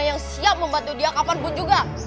yang siap membantu dia kapanpun juga